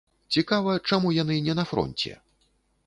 Цікава, чаму яны не на фронце?